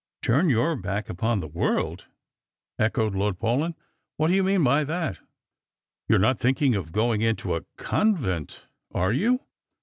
"Turn your back upon the world !" echoed Lord Paulyn. " What do you mean by that ? You are not thinking of going into a convent, are you